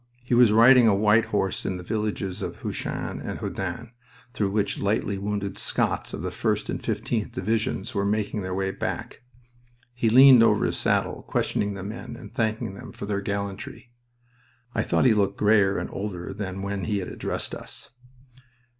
He was riding a white horse in the villages of Heuchin and Houdain, through which lightly wounded Scots of the 1st and 15th Divisions were making their way back. He leaned over his saddle, questioning the men and thanking them for their gallantry. I thought he looked grayer and older than when he had addressed us.